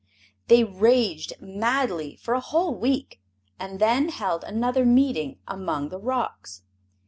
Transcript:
They raged madly for a whole week, and then held another meeting among the rocks.